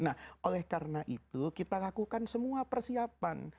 nah oleh karena itu kita lakukan semua persiapan